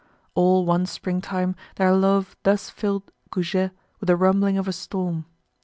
All one spring time their love thus filled Goujet with the rumbling of a storm.